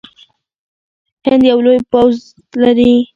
هند یو لوی پوځ لري.